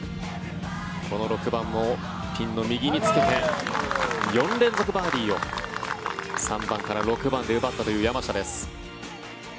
この６番もピンの右につけて４連続バーディーを３番から６番で奪ったという山下です。